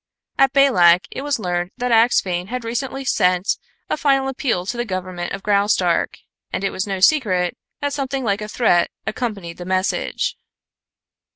At Balak it was learned that Axphain had recently sent a final appeal to the government of Graustark, and it was no secret that something like a threat accompanied the message.